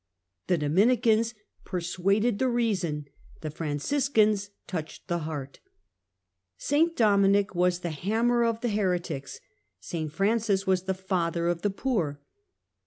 The Dominicans persuaded the reason, the Franciscans touched the heart. St Dominic was the " Hammer of the heretics," St Dominic St Francis was the "Father of the poor."